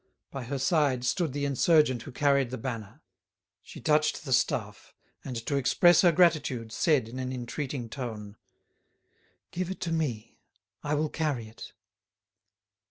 By her side stood the insurgent who carried the banner. She touched the staff, and, to express her gratitude, said in an entreating tone, "Give it to me; I will carry it."